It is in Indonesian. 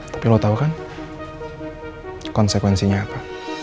tapi lo tau kan konsekuensinya apa